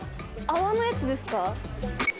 泡のやつですか？